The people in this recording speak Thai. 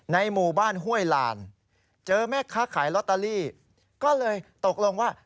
ในหมู่บ้านห้วยรรจัยแม่ค้าขายหลอตาลีก็เลยตกลงว่า